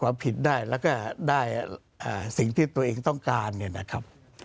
ผิดได้แล้วก็ได้สิ่งที่ตัวเองต้องการเนี่ยนะครับ